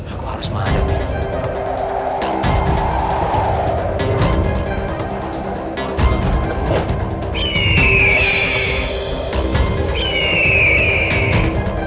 aku harus menghadapi